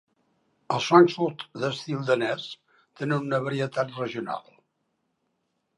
Els frankfurts d'estil danès tenen una varietat regional.